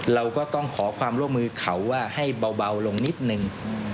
เราก็ต้องขอความร่วมมือเขาว่าให้เบาลงนิดนึง